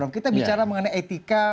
kita bicara mengenai etika